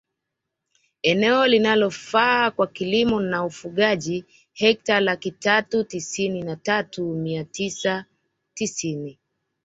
Eneo linalofaa kwa kilimo naufugaji hekta laki tatu sitini na tatu mia sita tisini